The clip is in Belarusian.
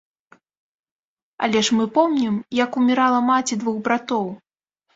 Але ж мы помнім, як умірала маці двух братоў.